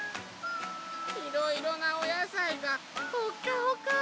いろいろなおやさいがほっかほか！